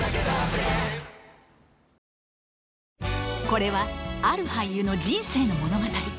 これはある俳優の人生の物語